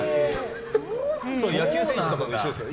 野球選手とかも一緒ですよ。